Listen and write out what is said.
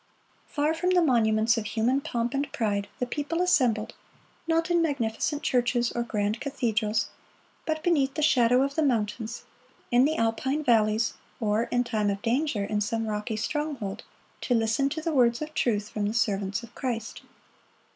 Far from the monuments of human pomp and pride, the people assembled, not in magnificent churches or grand cathedrals, but beneath the shadow of the mountains, in the Alpine valleys, or, in time of danger, in some rocky stronghold, to listen to the words of truth from the servants of Christ.